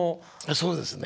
そうですね。